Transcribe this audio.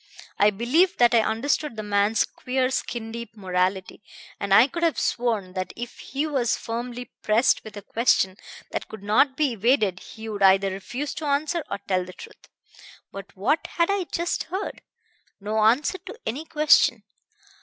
I believed that I understood the man's queer skin deep morality, and I could have sworn that if he was firmly pressed with a question that could not be evaded he would either refuse to answer or tell the truth. But what had I just heard? No answer to any question.